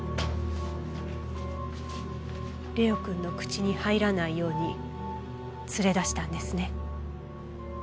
玲央君の口に入らないように連れ出したんですね。